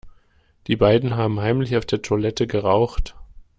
Die beiden haben heimlich auf der Toilette geraucht.